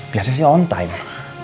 biasanya sih on time